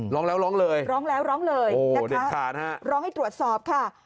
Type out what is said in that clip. ร้องแล้วร้องเลยโหเด็ดขาดนะฮะร้องให้ตรวจสอบค่ะ